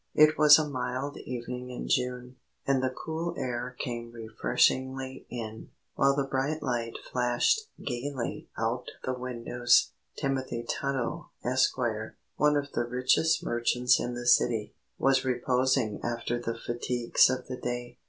It was a mild evening in June, and the cool air came refreshingly in, while the bright light flashed gaily out the windows. Timothy Tuttle, Esquire, one of the richest merchants in the city, was reposing after the fatigues of the day.